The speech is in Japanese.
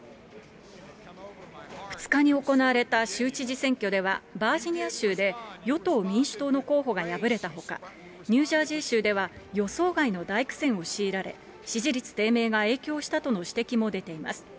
２日に行われた州知事選挙では、バージニア州で与党・民主党の候補が敗れたほか、ニュージャージー州では予想外の大苦戦を強いられ、支持率低迷が影響したとの指摘も出ています。